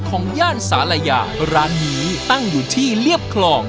ย่านสาลายาร้านนี้ตั้งอยู่ที่เรียบคลอง